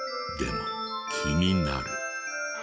でも気になる。